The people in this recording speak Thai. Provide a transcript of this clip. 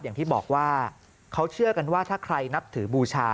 อย่างที่บอกว่าเขาเชื่อกันว่าถ้าใครนับถือบูชา